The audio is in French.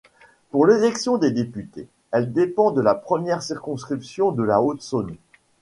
Pour l'élection des députés, elle dépend de la première circonscription de la Haute-Saône.